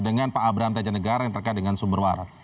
dengan pak abraham tejanegara yang terkait dengan sumber waras